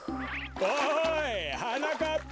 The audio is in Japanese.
おいはなかっぱ！